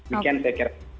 begitu saya kira